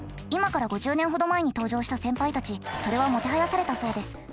今から５０年ほど前に登場した先輩たちそれはもてはやされたそうです。